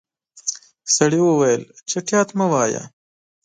سړی وويل چټياټ مه وايه.